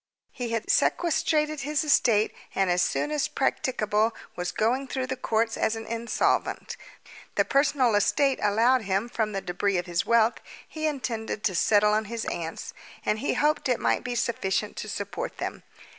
He had sequestrated his estate, and as soon as practicable was going through the courts as an insolvent. The personal estate allowed him from the debris of his wealth he intended to settle on his aunts, and he hoped it might be sufficient to support them.